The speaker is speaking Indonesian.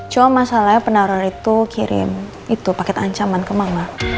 cuma masalahnya penaruhan itu kirim paket ancaman ke mama